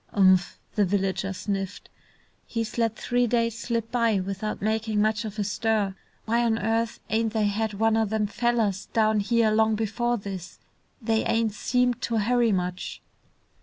"Umph!" the villager sniffed. "He's let three days slip by without makin' much of a stir. Why on earth ain't they had one o' them fellers down here long before this? They ain't seemed to hurry much."